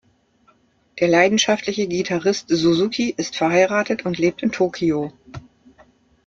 Der leidenschaftliche Gitarrist Suzuki ist verheiratet und lebt in Tokio.